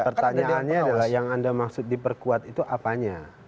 pertanyaannya adalah yang anda maksud diperkuat itu apanya